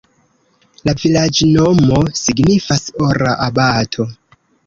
La vilaĝnomo signifas: ora-abato.